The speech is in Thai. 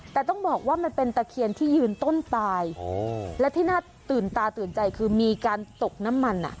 แต่ต้องบอกว่ามันเป็นตะเคียนที่ยืนต้นตายและที่น่าตื่นตาตื่นใจคือมีการตกน้ำมันอ่ะ